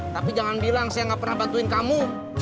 tapi jangan bilang saya gak pernah bantuin kamu